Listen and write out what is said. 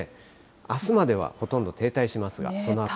あすまではほとんど停滞しますが、そのあと。